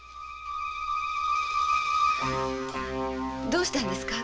どうしたんですか？